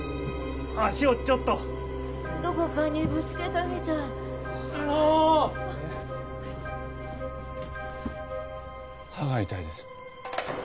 足をちょっとどこかにぶつけたみたいあの歯が痛いです